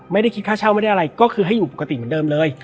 ไม่ได้คิดค่าเช่าไม่ได้อะไรก็คือให้อยู่ปกติเหมือนเดิมเลย